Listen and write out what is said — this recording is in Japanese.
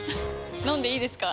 飲んでいいですか？